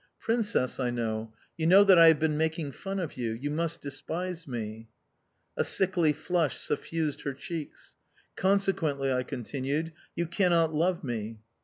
"Princess," I said, "you know that I have been making fun of you?... You must despise me." A sickly flush suffused her cheeks. "Consequently," I continued, "you cannot love me"...